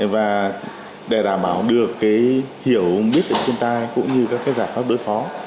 và để đảm bảo được hiểu biết của thiên tai cũng như các giải pháp đối phó